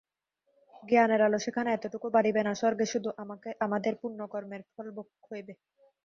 জ্ঞানের আলো সেখানে এতটুকু বাড়িবে না, স্বর্গে শুধু আমাদের পুণ্যকর্মের ফলভোগ হইবে।